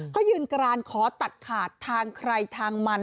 เขายืนกรานขอตัดขาดทางใครทางมัน